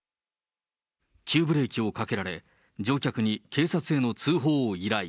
急ブレーキをかけられ、乗客に警察への通報を依頼。